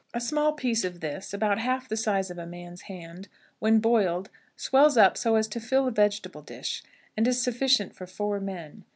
A small piece of this, about half the size of a man's hand, when boiled, swells up so as to fill a vegetable dish, and is sufficient for four men.